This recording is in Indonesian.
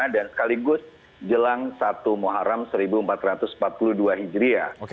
dan sekaligus jelang satu muharam seribu empat ratus empat puluh dua hijriah